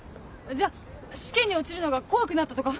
じゃあ試験に落ちるのが怖くなったとか？